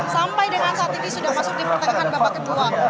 sampai dengan saat ini sudah masuk di pertengahan babak kedua